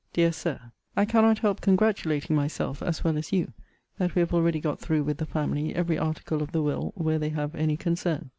DEAR SIR, I cannot help congratulating myself as well as you that we have already got through with the family every article of the will where they have any concern.